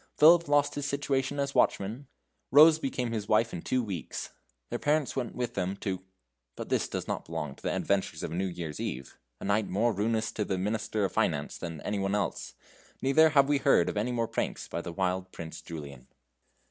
Philip lost his situation as watchman. Rose became his wife in two weeks; their parents went with them to ; but this does not belong to the adventures of a New Year's Eve, a night more ruinous to the Minister of Finance than any one else; neither have we heard of any more pranks by the wild Prince Julian.